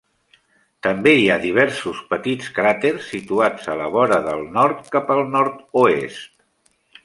També hi ha diversos petits cràters situats a la vora del nord cap al nord-oest.